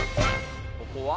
ここは？